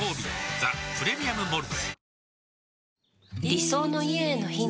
「ザ・プレミアム・モルツ」